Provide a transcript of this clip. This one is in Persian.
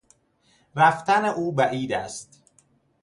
رفتن او بعید است.